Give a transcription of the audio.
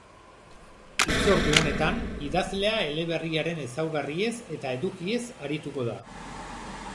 Hitzordu honetan, idazlea eleberriaren ezaugarriez eta edukiez arituko da.